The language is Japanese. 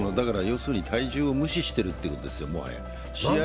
体重を無視してるということですよ、もはや。